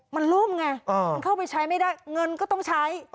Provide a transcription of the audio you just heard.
มันล่มไงมันเข้าไปใช้ไม่ได้เงินก็ต้องใช้